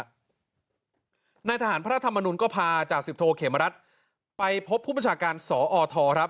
นายทหารพระธรรมนุนก็พาจ่าสิบโทเขมรัฐไปพบผู้ประชาการสอทครับ